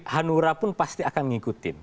hanura pun pasti akan ngikutin